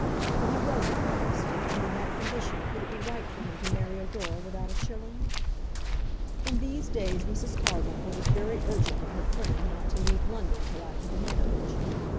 But he was embarrassed, and in that condition could it be right for him to marry a girl without a shilling? In these days Mrs. Carbuncle was very urgent with her friend not to leave London till after the marriage.